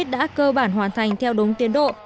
đã cơ bản hoàn thành theo đúng tiến độ